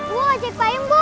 bu ajak payung bu